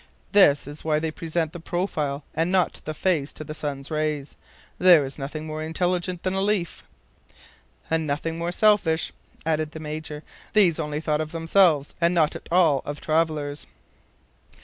This is why they present the profile and not the face to the sun's rays. There is nothing more intelligent than a leaf." "And nothing more selfish," added the Major. "These only thought of themselves, and not at all of travelers."